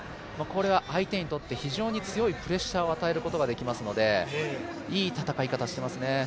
これは相手にとって非常に強いプレッシャーを与えることができるのでいい戦い方していますね。